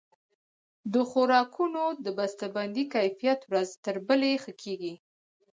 د خوراکونو د بسته بندۍ کیفیت ورځ تر بلې ښه کیږي.